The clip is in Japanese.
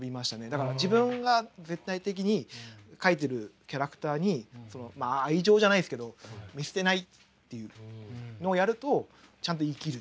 だから自分が絶対的に描いてるキャラクターにまあ愛情じゃないですけど見捨てないっていうのをやるとちゃんと生きる。